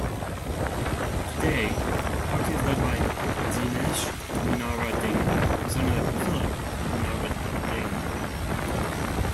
Today the party is led by Dinesh Gunawardena, son of Philip Gunawardena.